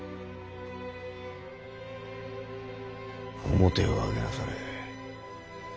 面を上げなされ。